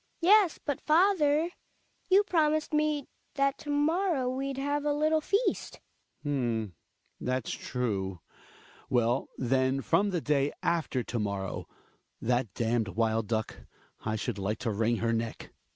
Hed^hg. Yes, but father, you promised me that to morrow we'd have a little feast. Hjalmar. H'm^ that's true. TVell. then from tV|e dav after to morrow. T h at damned w^ld duck, I should, like to wring her neck.